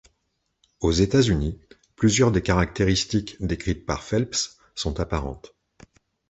Aux États-Unis, plusieurs des caractéristiques décrites par Phelps sont apparentes.